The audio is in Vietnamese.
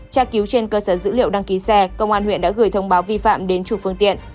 tra cứu trên cơ sở dữ liệu đăng ký xe công an huyện đã gửi thông báo vi phạm đến chủ phương tiện